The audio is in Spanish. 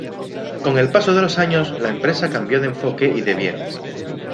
Con el paso de los años, la empresa cambió de enfoque y de bienes.